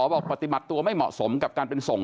บอกปฏิบัติตัวไม่เหมาะสมกับการเป็นส่ง